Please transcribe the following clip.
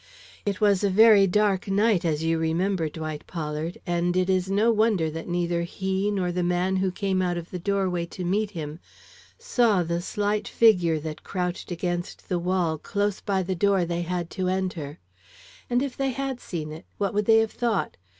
"It was a very dark night, as you remember, Dwight Pollard, and it is no wonder that neither he nor the man who came out of the doorway to meet him saw the slight figure that crouched against the wall close by the door they had to enter. And if they had seen it, what would they have thought?